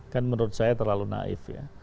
kan menurut saya terlalu naif ya